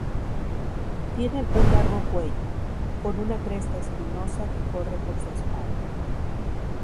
Tienen un largo cuello, con una cresta espinosa que corre por su espalda.